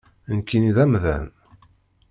Nekkini d amdan.